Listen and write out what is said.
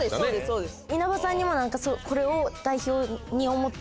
そうです